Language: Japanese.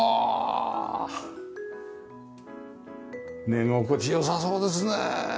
寝心地良さそうですねえ。